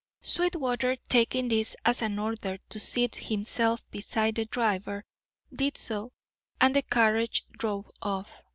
Sweetwater, taking this as an order to seat himself beside the driver, did so, and the carriage drove off.